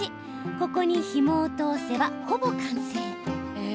ここにひもを通せば、ほぼ完成。